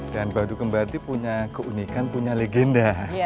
dan batu kembar tuh punya keunikan punya legenda